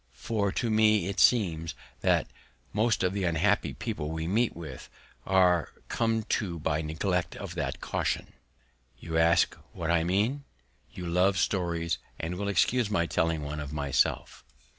For to me it seems, that most of the unhappy people we meet with, are become so by neglect of that caution. You ask what I mean? You love stories, and will excuse my telling one of myself.